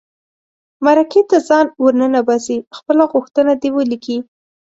مرکې ته ځان ور ننباسي خپله غوښتنه دې ولیکي.